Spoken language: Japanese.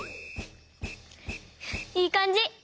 いいかんじ！